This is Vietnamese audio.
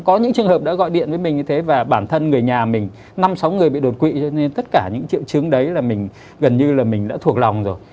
có những trường hợp đã gọi điện với mình như thế và bản thân người nhà mình năm sáu người bị đột quỵ cho nên tất cả những triệu chứng đấy là mình gần như là mình đã thuộc lòng rồi